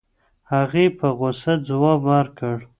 هغې په غوسه ځواب ورکړ.